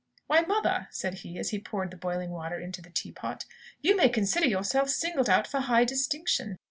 "Why, mother," said he, as he poured the boiling water into the tea pot, "you may consider yourself singled out for high distinction.